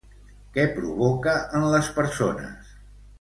Què provoca en les persones?